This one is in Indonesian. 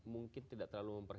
luar biasa saya archetype